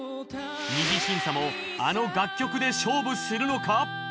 二次審査もあの楽曲で勝負するのか？